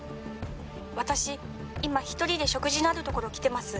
「私今一人で食事のあるところ来てます」